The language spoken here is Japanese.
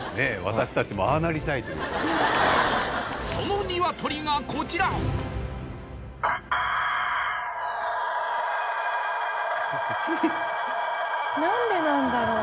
私たちもああなりたいというそのニワトリがこちら・何でなんだろう？